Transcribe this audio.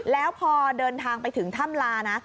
แล้วพอเดินทางไปถึงถ้ำลานะ